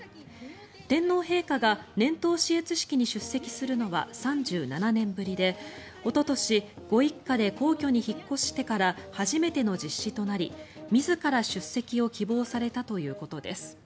天皇陛下が年頭視閲式に出席するのは３７年ぶりでおととしご一家で皇居に引っ越してから初めての実施となり自ら出席を希望されたということです。